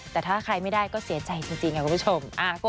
แต่ถ้าใครไม่ได้ก็เสียใจจริงค่ะคุณผู้ชม